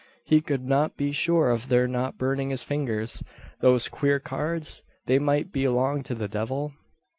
He could not be sure of their not burning his fingers those queer cards? They might belong to the devil?